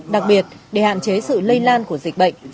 đặc biệt để hạn chế sự lây lan của dịch bệnh